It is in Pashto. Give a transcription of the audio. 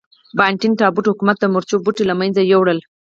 بانتن ټاپو حکومت د مرچو بوټي له منځه یووړل.